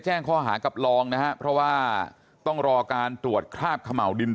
แจ้งข้อหากับรองนะฮะเพราะว่าต้องรอการตรวจคราบเขม่าวดิน